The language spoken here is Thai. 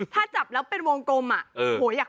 แก้ปัญหาผมร่วงล้านบาท